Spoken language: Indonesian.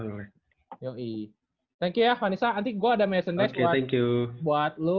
yoi thank you ya vanessa nanti gua ada message buat lu